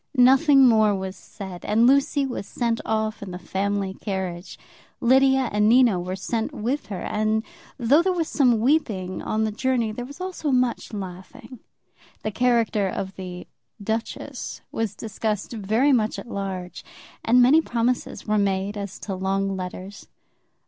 Nothing more was said, and Lucy was sent off in the family carriage. Lydia and Nina were sent with her, and though there was some weeping on the journey, there was also much laughing. The character of the "duchess" was discussed very much at large, and many promises were made as to long letters.